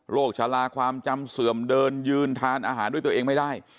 ชะลาความจำเสื่อมเดินยืนทานอาหารด้วยตัวเองไม่ได้